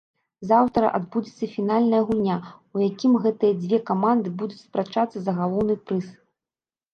Заўтра адбудзецца фінальная гульня, у якім гэтыя дзве каманды будуць спрачацца за галоўны прыз.